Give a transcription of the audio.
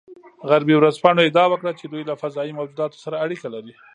غربي ورځپاڼو ادعا وکړه چې دوی له فضايي موجوداتو سره اړیکه لري